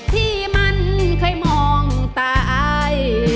ที่มันใครมองตาอาย